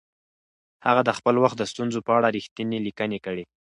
هغه د خپل وخت د ستونزو په اړه رښتیني لیکنې کړي.